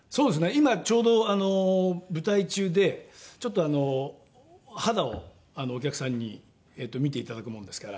今ちょうど舞台中でちょっと肌をお客さんに見ていただくもんですから。